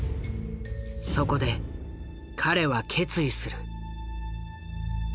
そこで彼は決意する。